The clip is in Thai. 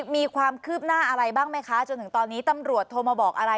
มีความคืบหน้าอะไรบ้างไหมคะจนถึงตอนนี้ตำรวจโทรมาบอกอะไร